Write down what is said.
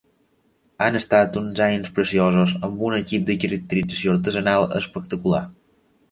Han estat uns anys preciosos amb un equip de caracterització artesanal espectacular.